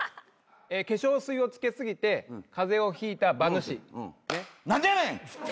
化粧水をつけ過ぎて風邪をひいた馬主。